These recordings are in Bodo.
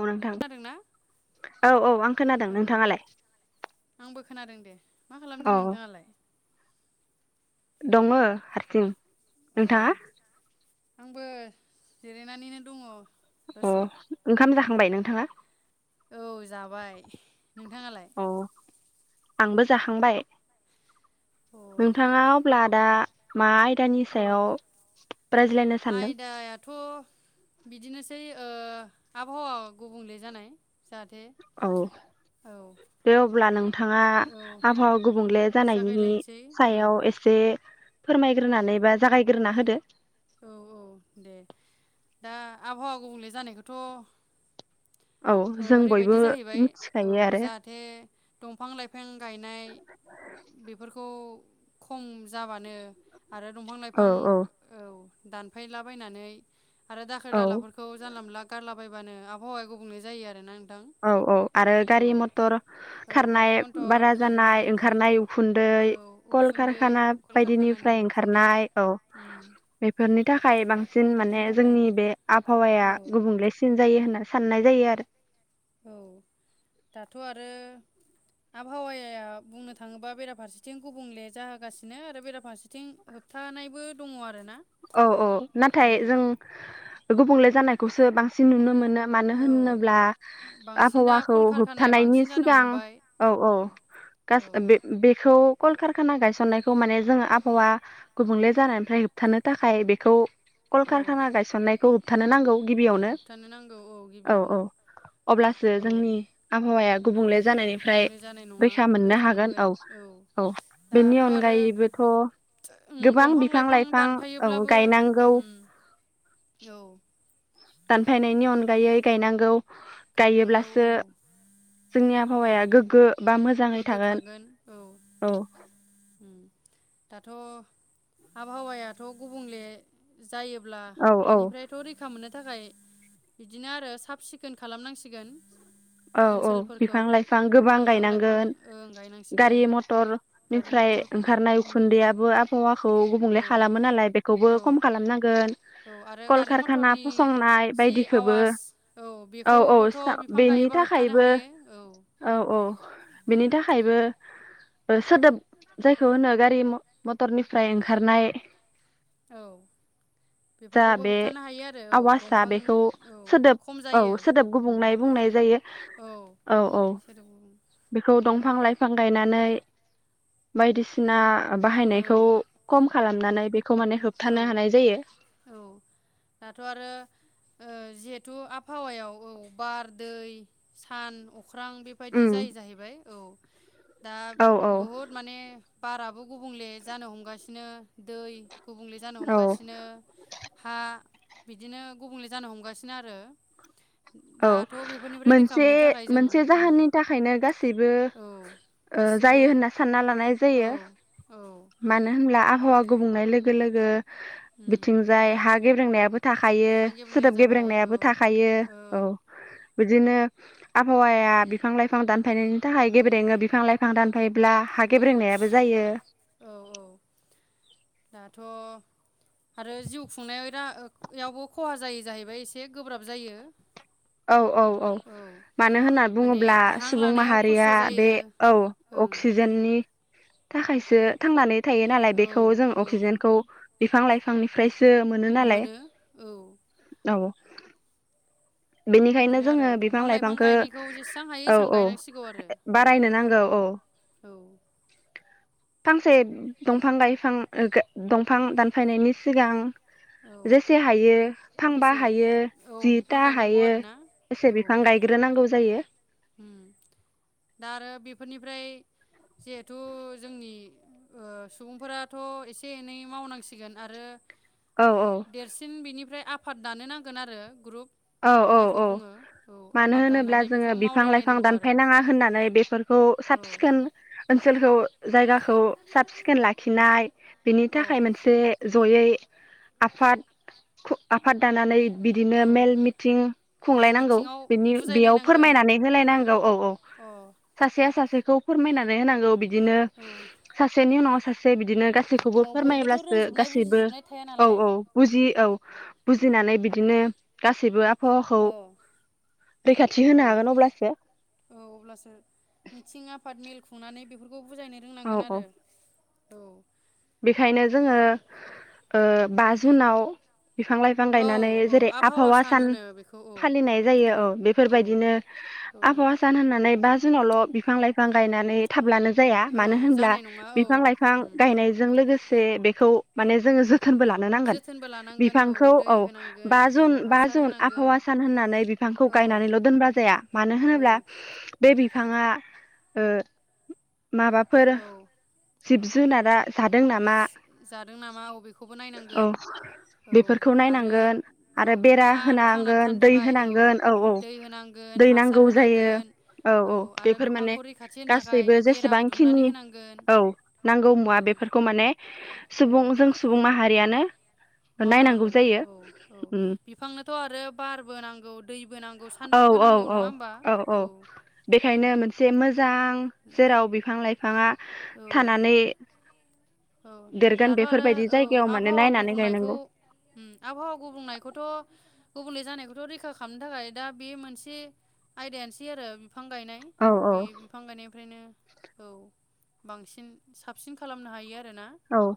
औ नोंथां खोनादोंना? औ औ आं खोनादों औ नोंथाङालाय? आंबो खोनादों दे। मा खालामदों औ नोंथाङालाय? दङ हारसिं। औ नोंथाङा? आंबो जिरायनानैनो दङ। अ दसे ओंखाम जा [unintelligible] नोंथाङा औ जाबाय नोंथाङालाय। अ आंबो जाखांबाय अ नोंथाङा अब्ला दा [unintelligible] [unintelligible] औ सायाव रायज्लायनो सानदों। आयदायाथ' बिदिनोसै ओ आबहावा गुबुंले जानाय जादो औ औ। दे अब्ला नों। नोंथाङा औ आबहावा गुबुंले जानायनि जागायलायनोसै औ सायाव एसे फोरमायग्रोनानै बा जागायग्रोना होदो। औ औ दे दा आबहावा गुबुंले जानायखौथ'। औ जों बयबो ओरैबायदि जाहैबाय औ मिथिखायो आरो जाहाथे दंफां लाइफां गायनाय बेफोरखौ खम जाबानो आरो दंफां लाइफां औ औ औ। दानफायलाबायनानै आरो दाखोर औ दालाफोरखौ जानला मोनला। गारलाबायबानो आबहावाया गुबुंले जायो आरो ना औ औ आरो गारि मथर औ गारि खारनाय मथर बारा जानाय खारनाय ओंखारनाय उखुन्दै औ उखुन्दै कलकारखाना कलकारखानानि बायदिनिफ्राय उखुन्दै ओंखारनाय औ उम बेफोरनि थाखाय। थाखाय बांसिन बेफोरनि माने थाखाय जोंनि बे आबहावाया औ गुबुंलेसिन जायो होनना। साननाय जायो आरो। औ दाथ' आरो। आबहावाया बुंनो थाङोबा बेराफारसेथिं गुबुंले जाहोगासिनो आरो बेराफारसेथिं बिथिं होबथानायबो। दङ। आरोना औ औ औ नाथाय जों गुबुंले। जानायखौसो बांसिन नुनो मोनो। मानो औ होनोब्ला बांसिन दा आबहावाखौ कलकारखानाया होबथानायनि बांसिन जानो सिगां हमबाय औ औ उम औ बे बेखौ कलकारखाना गायसननायखौ माने जों आबहावा गुबुंले जानायनिफ्राय होब थानो थाखाय बेखौ औ कलकारखाना गायसननायखौ। होबथानो नांगौ गिबियावनो होबथानो नांगौ औ औ गिबियावनो अब्लासो औ जोंनि आबहावाया गुबुंले जानायनिफ्राय गुबुंले जानाय नङा रैखा मोननो हागोन मोनगोन औ औ बेनि दाथ' आरो अनगायैबोथ' उम गोबां दंफां बिफां लाइफां औ दानफायोब्लाबो गायनांगौ ओम औ दानफायनायनि अनगायै गायनांगौ गायनांगौ गायोब्लासो औ जोंनि औ आबहावाया गोग्गो बा गोग्गो थागोन उम औ औ दा दाथ' आबहावायाथ' गुबुंले जायोब्ला औ औ बिनिफ्रायथ' रैखा मोननो थाखाय बिदिनो आरो साब सिखोन खालामनांसिगोन औ औ बिफां ओनसोलफोरखौ लाइफां गोबां बिफां गायनांगौ। लाइफां ओं गारि गायनांसिगोन गारि मटरनिफ्राय मथर ओंखारनाय उम उखुन्दैयाबो आबहावा खौ गुबुंले औ खालामो नालाय बेखौबो औ खम खालामनांगोन। औ आरो गारि कलकारखाना मथरनि फसंनाय जि बायदिखौबो आवाज औ बेखौबोथ' बिफां गायोबा नि होबथानो थाखायबो हायो औ औ औ बिनि उम थाखायबो। सोदोब जायखौ होनो गारि मटरनिफ्राय ओंखारनाय। औ जा बेफोरखौबो बे होबथानो हायो आरो औ आवाजआ दंफां बेखौ औ सोदोब खम औ जायो। सोदोब गुबुंनाय बुंनाय जायो औ औ सोदोब गुबुं बेखौ दंफां लाइफां गायनानै बायदिसिन सिना औ बाहायनायखौ खम खालामनानै बे खौ माने औ होबथानो हानाय जायो। औ जिहेतु आबहावायाव औ बार दै सान। अख्रां बेबायाददि उम जायो जाहैबाय। औ दा औ बहुत माने बाराबो गुबुंले जानो हमगासिनो दै गुबुंले जानो औ हमगासिनो हा बिदिनो गुबुंले जानो हमगासिनो आरो। औ दाथ' बेफोरनिफ्राय रैखा मोनसे मोननो थाखाय जों मोनसे उम जाहोननि थाखायनो गासैबो औ ओ गासिबो जायो होनना सानना लानाय औ जायो औ मानो होनब्ला आं हावा गुबुंनाय लोगो लोगो उम बिथिंजाय हाग गेब्रेंनायाबो थाखायो हा गेब्रेंनाय सोदोब जाबाय औ गेब्रेंनायाबो थाखायो। औ [inaudible] बिदिनो आबहावाया बिफां लाइफां दानफायनायनि थाखाय गेब्रेनो बिफां लाइफां दानफायोब्ला गेब्रेंनायाबो जायो औ औ दाथ' आरो जिउ खुंनायाव रायावबो खहा जायो जाहैबाय एसे गोब्राब जायो। औ औ औ मानो होनना माने बुङोब्ला हां सुबुं लानायाव माहारिया खस्थ' बे जायो औ ओं अक्सिजेननि थाखायसो थांनानै थायो नालाय औ बेखौ जों औ अक्सिजेनखौ बिफां लाइफां बिफांनिफ्राय जो मोनो नालाय औ। बेनिखायनो बिदिनो जोङो आरो बिफां दंफां लाइफां लाइफांखौ गायनायखौ जेसेबां हायो औ एसेबां औ गायनांसिगौ आरो औ बारायनो नांगौ औ। औ फांसे दंफां गायफां दंफां दानफायनायनि सिगां। औ जेसे हायो फांबा एसे हायो औ बिफां जिथा। गायनांगौ हायो आरोना बेसे औ बिफां गायग्रोनांगौ जायो। दा आरो बेफोरनिफ्राय जिहेथु जोंनि सुबुंफोराथ' एसे एनै मावनांसिगोन आरो। औ औ देरसिन बिनिफ्राय आफ। पट दानो नांगोन आरो ग्रुप। औ औ जायखौ औ बुङो औ मानो आफाद होनोब्ला दानानै बेखौ। जोङो बिफां लाइफां मावलायलायनांगौ आरो दानफायनाङा होननानै बेफोरखौ साब सिखोन ओनसोलखौ। जायगाखौ साब सिखोन लाखिनाय बेनि औ थाखाय मोनसे। जयै आफाद आफाद दानानै बिदिनो औ मेल मि। थिं मेल खुंलायनांगौ मिथिङाव बिनि बेयाव बुजायलायनांगोन फोरमायनानै होलायनांगौ औ औ अ सासेया सासे खौ फोरमायनानै होनांगौ बि बिदिनो औ सासेनि उनाव सासे बि बिदिनो गासैखौबो औ बयबोथ' फोरमायोब्लासो रोंजोबनाय गासैबो बुजिजोबनाय थाया औ नालाय औ बुजि औ बुजिनानै बिदिनो गास सिबआ हौवाखौ अ रैखाथि औ होनो हागोन अब्लासो। औ अब्लासो मिथिं आफाद मेल खुंनानै बेफोरखौ खौ बुजायनो औ रोंनांगोन औ आरो औ बेखायनो जोङो बा जुनाव बिफां लाइफां औ गायनानै औ जेरै आबहावा सान होनो बेखौ औ फालिनाय जायो औ औ बेफोरबायदिनो औ आबहावा सान होननानै बाज दिनावल' बिफां लाइफां गायनानै थाब्लानो जाया औ मानो होनब्ला जानाय नङा औ बिफां लाइफां उम गायनाय लोगोसे बेखौ माने जोङो जो जोथोनबो लानो नांगोन। जोथोनबो लानांगोन बिफांखौ दै औ होनांगोन बा औ जुन बा हासार जुन होनांगोन आबहावा सान होननानै बिफांखौ औ गायनानैल' दोनबा जाया मानो औ होनोब्ला बे बि बिफाङा ओ माबाफोर औ जिब जुनारा सात जादों नामा औ बेखौबो औ नायनांगोन औ बेफोरखौ आरो नायनांगोन औ आरो बेरा बिफाङा थांनानै होनांगोन थानो दै थाखाय औ होनांगोन औ दै होनांगोन दै हासार नांगौ जायो होनांगोन औ आरो बिफांखौ रैखाथि होनो थाखाय गासैबो बेराबो दुमनानै जेसेबांखिनि होनांगोन। औ नांगौ औ मुवा बेफोरखौ माने औ सुबुं जों सुबुं माहारियानो नायनांगौ मावनांगोन जायो औ औ उम बिफांनोथ' आरो बार बो नांगौ दै औ औ औ औ औ बेखायनो उम मोनसे मोजां जेराव बिफां लाइफां बिफाङा औ थानानै औ देरगोन दाथ' आरो बेफोरबायदि औ जायगायाव माने आबहावा नायनानै गुबुंनायखौ गायनांगौ आबहावा गुबुंनायखौथ' गुबुंले जानायखौथ' रैखा खालामनो थाखाय दा बे मोनसे आयदायानोसै आरो। बिफां गायनाय औ औ बे बिफां गायनायनिफ्रायनो औ बांसिन साबसिन खालामनो हायो आरो औ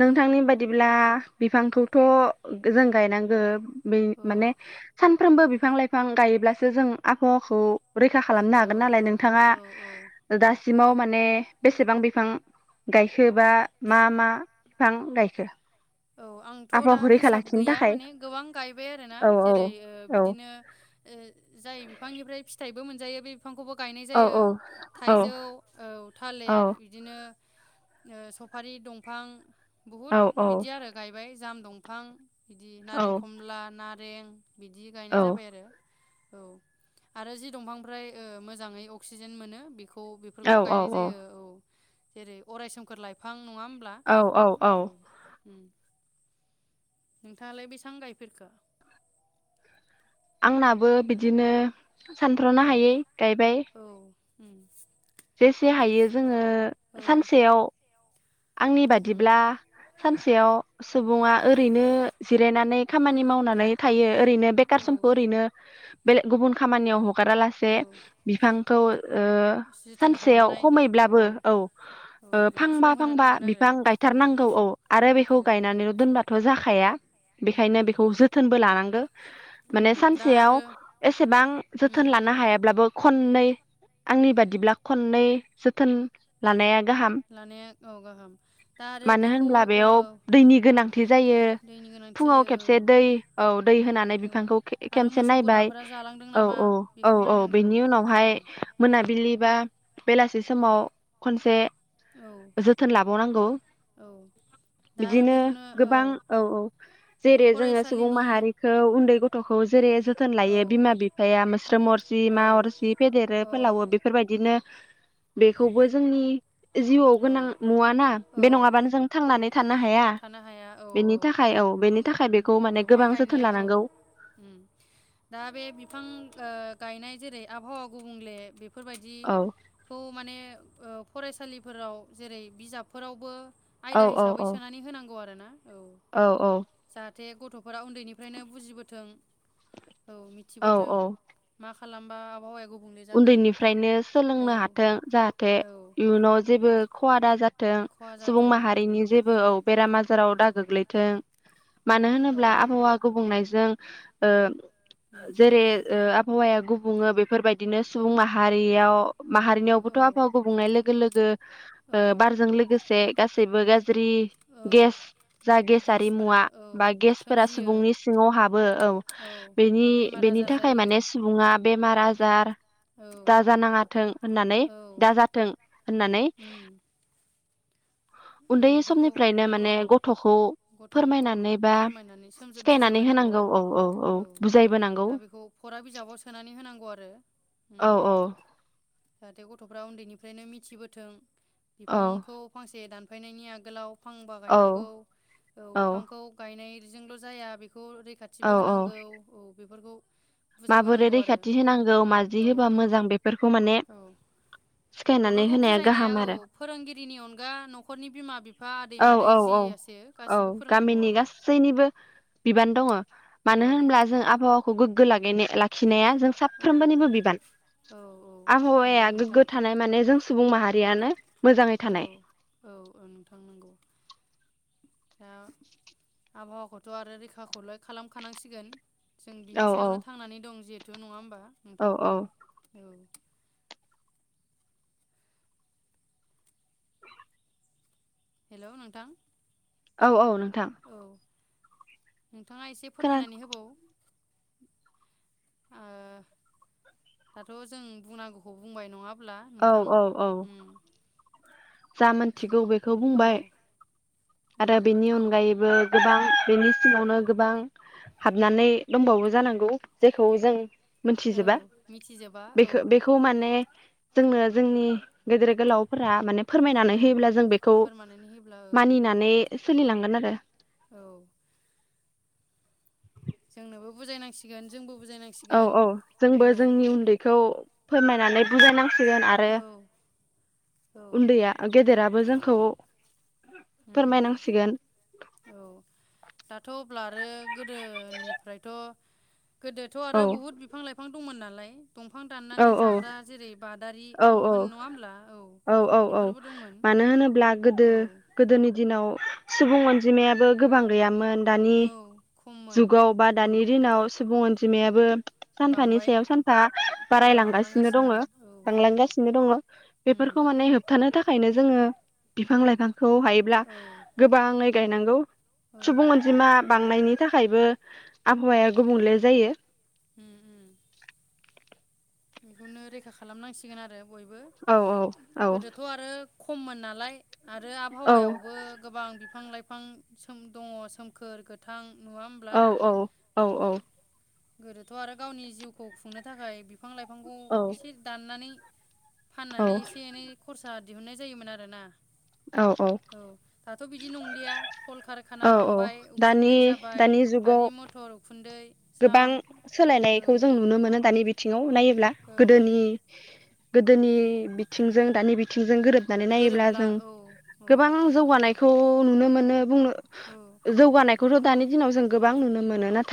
नोंथांनि बायदिब्ला बिफांखौथ' जों गायनांगौ। बे औ माने सान सानफ्रोमबो बिफां लाइफां गायोब्लासो जों आबहावाखौ रैखा खालामनो औ हागोन नालाय नोंथाङा औ औ उम दासिमाव माने बेसेबां बिफां गायखो बा मा मा बिफां गायखो औ आंथ' दा आबहावाखौ रैखा हिसाब लाखिनो गैया थाखाय माने गोबां गायबाय आरोना औ जेरै औ बिदिनो जाय बिफांनिफ्राय फिथाइबो मोनजायो बे बिफांखौबो गायनाय औ जायो औ थाइजौ औ औ थालिर बिदिनो ओ सफारि दंफां बुहुद औ बिद बिदि आरो गायबाय जाम दंफां बिदि औ नारें खमला ना रें बिदि औ गायनाय जाबाय आरो औ आरो जि दंफांनिफ्राय मोजाङै अक्सिजेन मोनो बेख खौ बेफोरखौबो औ गायनाय जायो औ जेरै अरायसोमखोर लाइफां आं नंङा होमब्ला औ नोंथाङालाय बेसेबां गायफेरखो? आंनाबो बिदिनो सानथ्रनो औ हायै गायबाय औ उम जेसे हायो जोङो औ सानसेयाव आंनि उम बादिब्ला सान सानसेयाव सुबुङा ओरैनो जिरायनानै खामानि था मावनानै थायो ओरैनो बेखार औ समखौ ओरैनो बेलेग गुबुन खामानियाव ह गारा औ लासे बिफांखौ ओ जोथोन सानसेयाव खालामनाय हमैब्लाबो औ औ बेयाव सम फांबा होनो बिफांबा नांगोन आरो बिफां औ गायथारनांगौ औ आरो बेखौ औ गायनानैल' दोनबाथ' जाखाया उम बेखायनो उम बेखौ जोथोनबो लानांगौ माने उम दा सानसेयाव आरो एसेबां उम जोथोन लानो हायाब्लाबो खननै आंनि बादिब्ला खननै जोथोन लानाया गाहाम लानाया औ गाहाम दा आरो मानो बेखौ होनब्ला ओ बेयाव दैनि गोनांथि जायो दैनि गोनांथि फुङाव जायो खेबसे औ दै औ दै होनानै औ बिफांखौ खे आरो खेबसे मोसौ नायबाय बोरमाफोरा जालांदों औ नामा औ औ बेखौ औ नायनांगोन बेनि उनावहाय उम मोनाबिलि बा बेलासि समाव खनसे औ जोथोन लाबावनांगौ औ दा आरो बिदिनो बेखौनो गोबां औ औ जेरै जोङो सुबुं फरायसालिनि माहारिखौ उन्दै गथ' गथ'खौ जेरै जोथोन औ लायो बिमा बिफाया मोस्रोम अरसि मा औ अरसि फेदेरो औ फोलावो बेफोरबायदिनो बेखौबो जोंनि जिउआव गोनां औ नुवा ना बे औ नङाबानो जों थांनानै थानो ह थानो हाया औ बेनि थाखाय औ बेनि थाखाय बेखौ माने बिफां गोबां जोथोन गायनाया औ लानांगौ उम दा बे बिफां ओ गायनाय जेरै आबहावा गुबुंले औ फोरबायदिखौ माने ओ फरायसालि फोराव जेरै बिजाबफोरावबो औ आयदा औ हिसाबै औ सोनानै होनांगौ आरो ना औ औ जाहाथे गथ'फोरा उन्दैनिफ्रायनो बुजिबोथों औ औ मिथिबोथों औ मा खालाम खालामबा आबहावाया गु उन्दैनिफ्रायनो सोलोंनो हाथों जाहाथे औ इयुनाव जेबो खवा दा जा जों खहा सुबुं जाथों उम माहारिनि जेबो औ बेरामा जेराव दा उम गोग्लैथों मानो अ होनोब्ला आबहावा गुबुंनाय जों ओ उम जेरै ओ आबहावाया गुबु बुङो बेफोरबाय दिनो सुबुं माहारियाव माहारिनियावबोथ' औ आबहावा गुबुंनाय लोगो लोगो ओ औ बारजों लोगोसे गासै सैबो ज्रि औ गेस जा गेसारि गेसफोरा मुवा औ बा गेसफोरा सोमजियो सुबुंनि सिङाव हाबो औ बेनि औ बेमार बेनि आजार थाखाय जायो माने सुबुङा बेमार आ जार औ दा जानाङाथों होननानै औ दाजाथों होननानै उम उन्दै बेफोरखौ समनिफ्रायनो माने औ गथ'खौ गथ'खौ फोरमायनानै बा फोरमायनानै सोमजि सिखायनानै बुजायबोनांगौ होनांगौ आरो औ औ औ बुजायबोनांगौ दा बेखौ फरा बिजाबाव सोनानै होनांगौ आरो उम औ औ जाहाथे गथ'फ्रा उन्दैनिफ्रायनो मिथिबोथों बिफांखौ फांसे दान फायनायनि आगोलाव फांबा औ गायनांगौ औ बिफांखौ गायनाय ल' जाया बे बेखौ औ रैखाथिबो औ होनांगौ औ बेफोरखौ माबोरै बुजायबोनांगौ आरो रैखाथि होनांगौ मारजि औ होबा मोजां बेफोरखौ माने औ सिखायनानै बेफोरखौ होनाया बुजायनाया गाहाम आरो औ फोरोंगिरिनि अनगा न'खरनि बिमा-बिफा औ औ औ औ गामिनि आरो गासैनिबो बिबान दं। दङ मानो औ होनब्ला जों आबहावाखौ गो ग्गो लागायनाया लाखिनाया जों साफ्रोमनिबो बिबान औ औ नंगौ आबहावाया गोग्गो नोंथां थानाय माने जों सुबुं माहारि यानो औ औ औ नोंथां नंगौ दा आबहावाखौथ' आरो रैखाखौलाय खालामखानांसिगोन जों औ बिनि सायावनो थांनानै दं जिहेथु नङा होमबा औ नोंथां औ औ हेलौ नोंथां औ औ नों थां औ नोंथाङा एसे फोरमायनानै होबाव ओ दाथ' जों बुंनांगौखौ बुंबाय नङा होमब्ला औ नोंथां औ औ ओम जा मोनथिगौ बेखौ बुंबाय आरो उम बेनि अनगायैबो गोबां बेनि सिङावनो गोबां हाबनानै दंबावो जानांगौ जेखौ जों औ मोनथिजोबा मिथिजोबा औ बेखौ बेखौ माने जोंनो जोंनि गेदेर गोलावफोरा माने फोरमायनानै औ होयोब्ला जों बेखौ फोरमानानै होयोब्ला ओं मानि दि सोलिलांगोन आरो औ जोंनोबो बुजायनांसिगोन जोंबो औ बुजायनांसिगोन औ जोंबो औ जोंनि उन्दैखौ फोरमायनानै बुजायनांसिगोन आरो औ औ उन्दैया गेदेरा बो जोंखौ उम फोरमायनांसिगोन औ दाथ' अब्ला आरो गोदोनिफ्रायथ' गोदोथ' औ आरो बुहुत बिफां लाइफां [unintelligible] दंमोन नालाय दंफां औ दाननानै औ जाग्रा जेरै बादारि औ न होन नङा होनोमब्ला औ औ औ बेफोरबो दंमोन मानो होनोब्ला गोदो औ गोदोनि दिनाव सुबुं अनजिमायाबो गोबां गैयामोन दानि औ खममोन जुगाव बा उम दानि दिनाव सुबुं अनजि [unintelligible] सानफानि बांबाय सायाव सानफा औ बारायलासिनो बांलांगासिनो दङो औ बांलांगासिनो दङो उम बेफोरखौ माने होबथानो थाखायनो जोङो बिफां लाइफां खौ हायोब्ला औ गोबाङै गायनांगौ। औ सुबुं अनजिमा बांनायनि थाखायबो आबहावाया गुबुंले जायो। उम उम बेखौनो रैखा खालामनांसिगोन आरो बयबो औ औ औ गोदोथ आरो खममोन नालाय। आरो औ आबहावायावबो गोबां बिफां लाइफां सोम दङ सोमखोर गोथां। नुवा होमब्ला औ औ औ औ गोदोथ आरो गावनि जिउखौ खुंनो थाखाय। बिफां लाइफांखौ औ एसे दाननानै। औ फाननानै एसे एनै खरसा राहा दिहुननाय जायोमोन आरो ना औ दाथ बिदि नंलिया कल कारखाना औ औ बांबाय दानि उखुन्दै जाबाय दानि जुगाव गारि मथर उखुन्दै। गोबां साउन्ड औ सोलायनायखौ जों नुनो मोनो दानि बिथिङाव। उनायो। गोदोनि औ गोदोनि बिथिंजों दानि बिथिं जों गोरोबनानै नायोब्ला गोरोबला जों औ औ गोबां जौगानायखौ नुनो मोनो बुं औ जौगानायखौ दानि दिनाव जों गोबां नुनो मोनो नाथाय